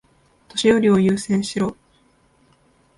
年寄りを優先しろ。